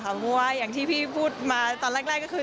เพราะว่าอย่างที่พี่พูดมาตอนแรกก็คือ